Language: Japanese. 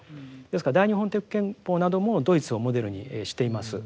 ですから大日本帝国憲法などもドイツをモデルにしています。